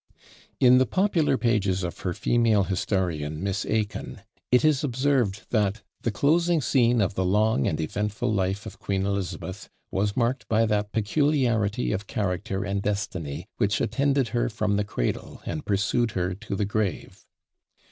In the popular pages of her female historian Miss Aikin, it is observed that "the closing scene of the long and eventful life of Queen Elizabeth was marked by that peculiarity of character and destiny which attended her from the cradle, and pursued her to the grave."